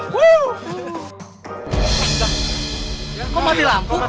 kok mati lampu